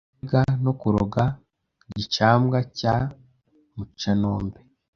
Kurega no kuroga Gicambwa cya Mucanombe